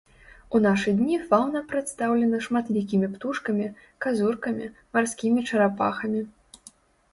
У нашы дні фаўна прадстаўлена шматлікімі птушкамі, казуркамі, марскімі чарапахамі.